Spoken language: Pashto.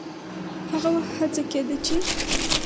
هغه وخت هڅه کېده چې